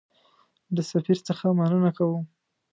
د سفیر څخه مننه کوم.